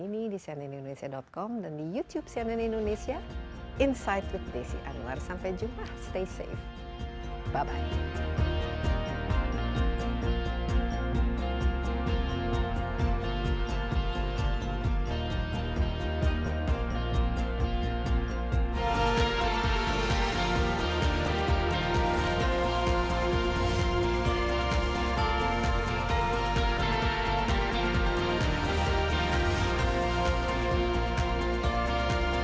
ini di cnn indonesia com dan di youtube cnn indonesia insight with desi anwar sampai jumpa stay safe bye bye